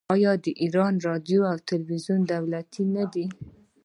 آیا د ایران راډیو او تلویزیون دولتي نه دي؟